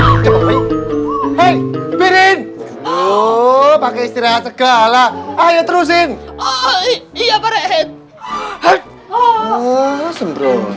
hai hai hai piring oh pakai istirahat segala ayo terusin oh iya perehatan